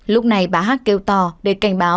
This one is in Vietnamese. lúc này bà hát kêu to để cảnh báo